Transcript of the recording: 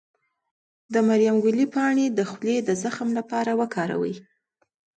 د مریم ګلي پاڼې د خولې د زخم لپاره وکاروئ